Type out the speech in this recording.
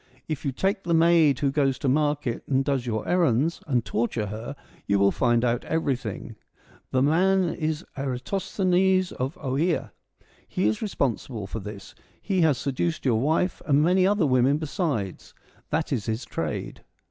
If you take the maid who goes to market and does your errands, and torture her, you will find out everything. The man is Eratosthenes, of Oea : he is responsible for this ; he has seduced your wife and many other women besides : that is his trade.